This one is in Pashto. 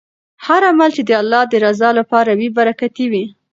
هر عمل چې د الله د رضا لپاره وي برکتي وي.